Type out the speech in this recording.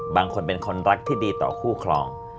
บางคนเป็นคนรักที่ดีต่อคู่ครอง